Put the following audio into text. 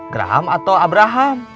geraham atau abraham